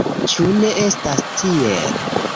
Ĉu ne estas tiel?